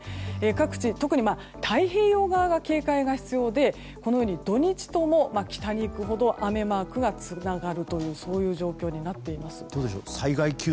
各地、特に太平洋側が警戒が必要で土日とも、北に行くほど雨マークがつながるというそういう状況になっています。